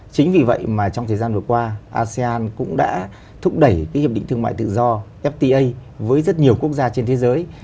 chính vì vậy mà trong thời gian vừa qua asean cũng đã thúc đẩy cái hiệp định thương mại tự do fta với rất nhiều quốc gia trên thế giới